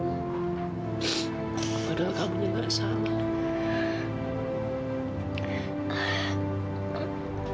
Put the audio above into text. padahal kamu juga tidak salah